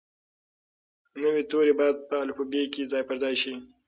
نوي توري باید په الفبې کې ځای پر ځای شي.